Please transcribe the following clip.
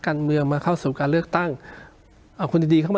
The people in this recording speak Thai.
การเมืองมาเข้าสู่การเลือกตั้งเอาคนดีดีเข้ามา